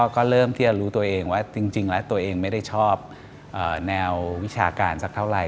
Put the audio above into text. ก็เริ่มที่จะรู้ตัวเองว่าจริงแล้วตัวเองไม่ได้ชอบแนววิชาการสักเท่าไห